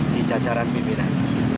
di jajaran pimpinan